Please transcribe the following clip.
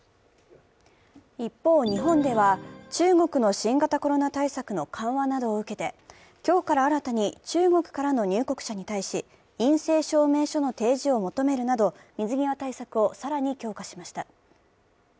一方、日本では、中国の新型コロナ対策の緩和などを受けて、今日から新たに中国からの入国者に対し、陰性証明書の提示を求めるなど水際対策を更に強化しました。